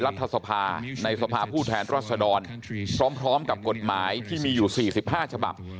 รัฐสภาในสภาผู้แทนรัศดรพร้อมกับกฎหมายที่มีอยู่๔๕ฉบับ